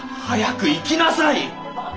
早く行きなさい！